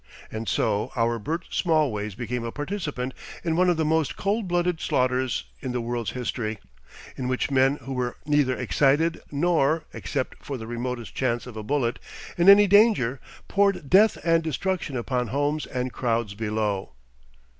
And so our Bert Smallways became a participant in one of the most cold blooded slaughters in the world's history, in which men who were neither excited nor, except for the remotest chance of a bullet, in any danger, poured death and destruction upon homes and crowds below.